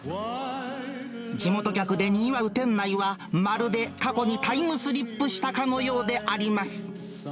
地元客でにぎわう店内は、まるで過去にタイムスリップしたかのようであります。